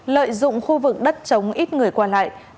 lợi dụng khu vực đất chống ít người qua lại